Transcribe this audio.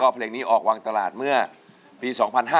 เพลงนี้ออกวางตลาดเมื่อปี๒๕๕๙